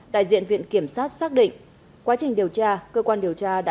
đại diện viện kiểm sát xác định quá trình điều tra cơ quan điều tra đã